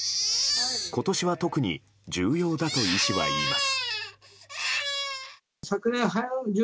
今年は特に重要だと医師は言います。